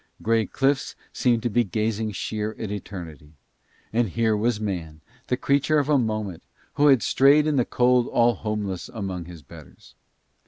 Grey cliffs seemed to be gazing sheer at eternity; and here was man, the creature of a moment, who had strayed in the cold all homeless among his betters.